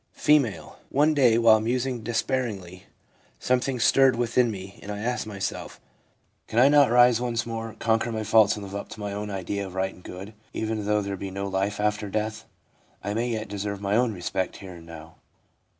F. ' One day while musing despairingly, something stirred within me, and I asked myself, "Can I not rise once more, conquer my faults and live up to my own idea of right and good, even though there be no life after death? I may yet ADULT LIFE— PERIOD OF RECONSTRUCTION 287 deserve my own respect here and now.